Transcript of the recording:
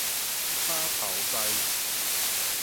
膽頭在